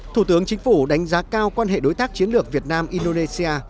thủ tướng chính phủ đánh giá cao quan hệ đối tác chiến lược việt nam indonesia